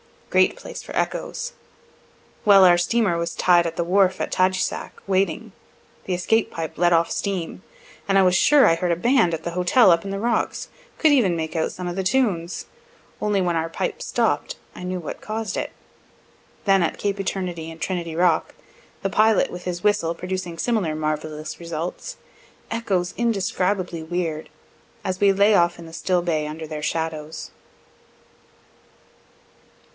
Great place for echoes: while our steamer was tied at the wharf at Tadousac (taj oo sac) waiting, the escape pipe letting off steam, I was sure I heard a band at the hotel up in the rocks could even make out some of the tunes. Only when our pipe stopp'd, I knew what caused it. Then at cape Eternity and Trinity rock, the pilot with his whistle producing similar marvellous results, echoes indescribably weird, as we lay off in the still bay under their shadows.